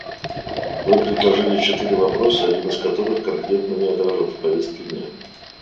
Вы предложили четыре вопроса, один из которых конкретно не отражен в повестке дня.